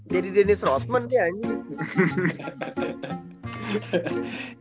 jadi dennis rothman dia anjing